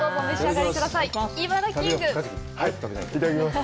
いただきます！